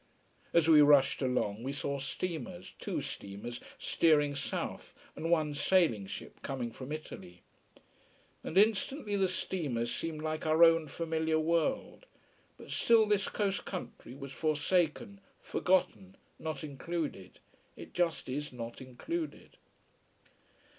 As we rushed along we saw steamers, two steamers, steering south, and one sailing ship coming from Italy. And instantly, the steamers seemed like our own familiar world. But still this coast country was forsaken, forgotten, not included. It just is not included.